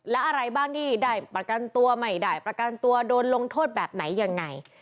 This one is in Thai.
แล้วอะไรบ้างที่ได้ประกันตัวไม่ได้ประกันตัวโดนลงโทษแบบไหนยังไง